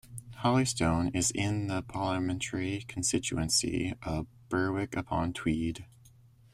Holystone is in the parliamentary constituency of Berwick-upon-Tweed.